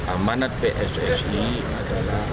amanat pssi adalah